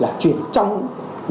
là vì điều kiện hoàn cảnh